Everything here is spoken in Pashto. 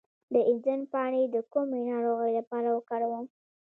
د انځر پاڼې د کومې ناروغۍ لپاره وکاروم؟